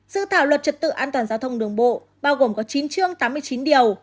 dự thảo luật trật tự an toàn giao thông đường bộ bao gồm có chín chương tám mươi chín điều